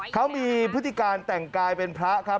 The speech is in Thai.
เขามีพฤติการแต่งกายเป็นพระครับ